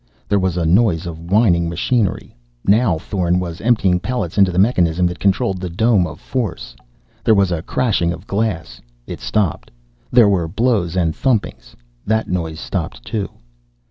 There was a noise of whining machinery. Now Thorn was emptying pellets into the mechanism that controlled the dome of force. There was a crashing of glass. It stopped. There were blows and thumpings. That noise stopped too.